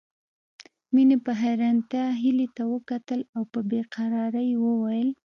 مينې په حيرانتيا هيلې ته وکتل او په بې قرارۍ يې وويل